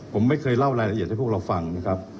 ผมไม่เคยเล่ารายละเอียดให้พวกเราฟังนะครับ